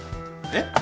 えっ？